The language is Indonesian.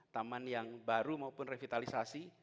taman yang baru maupun revitalisasi